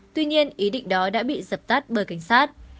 tuy nhiên ý định đó đã bị dập tắt bởi cảnh sát